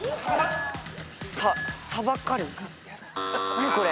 何これ？